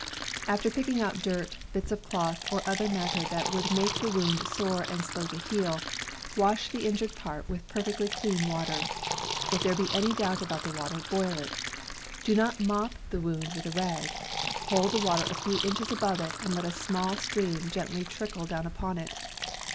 After picking out dirt, bits of cloth, or other matter that would make the wound sore and slow to heal, wash the injured part with perfectly clean water. If there be any doubt about the water, boil it. Do not mop the wound with a rag. Hold the water a few inches above it and let a small stream gently trickle down upon it.